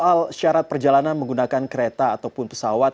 nah pak alex soal syarat perjalanan menggunakan kereta ataupun pesawat